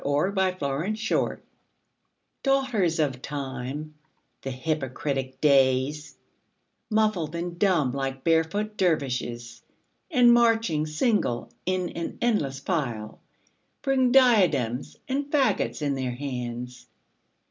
Ralph Waldo Emerson Days DAUGHTERS of Time, the hypocritic Days, Muffled and dumb like barefoot dervishes, And marching single in an endless file, Bring diadems and faggots in their hands.